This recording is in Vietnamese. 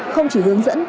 không chỉ hướng dẫn